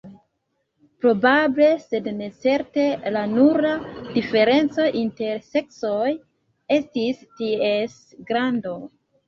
Probable, sed ne certe, la nura diferenco inter seksoj estis ties grando.